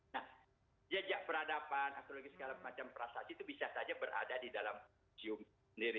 nah jejak peradaban astrologi segala macam prestasi itu bisa saja berada di dalam museum sendiri